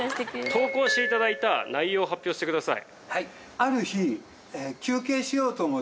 投稿して頂いた内容を発表してください。